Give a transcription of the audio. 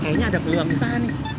kayaknya ada peluang usaha nih